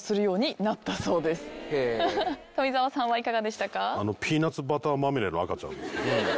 富澤さんはいかがでしたか？